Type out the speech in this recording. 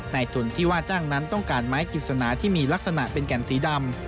ในทุนที่ว่าจ้างนั้นต้องการไม้กิจสนาที่มีลักษณะเป็นแก่นสีดำ